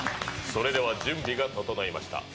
それでは準備が整いました。